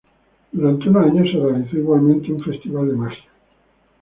Durante unos años se realizó igualmente un festival de magia.